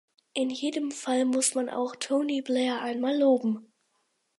In jedem Fall muss man auch Tony Blair einmal loben!